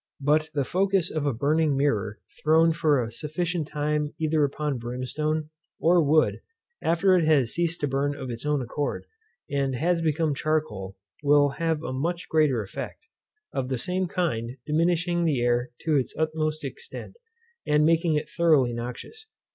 But the focus of a burning mirror thrown for a sufficient time either upon brimstone, or wood, after it has ceased to burn of its own accord, and has become charcoal, will have a much greater effect: of the same kind, diminishing the air to its utmost extent, and making it thoroughly noxious.